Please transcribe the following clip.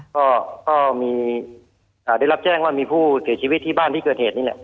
ก็มีได้รับแจ้งว่ามีผู้เสียชีวิตที่บ้านที่เกิดเหตุนี่แหละ